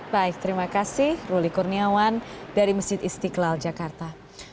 baik terima kasih ruli kurniawan dari masjid istiqlal jakarta